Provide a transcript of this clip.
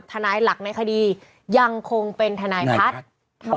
นายหลักในคดียังคงเป็นทนายพัฒน์